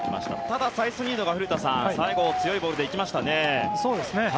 ただ、サイスニードが最後、強いボールで行きましたね。